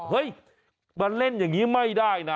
เฮ้ยมันเล่นอย่างนี้ไม่ได้นะ